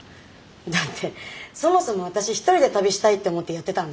だってそもそも私一人で旅したいって思ってやってたんだし。